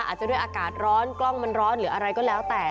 อาจจะด้วยอากาศร้อนกล้องมันร้อนหรืออะไรก็แล้วแต่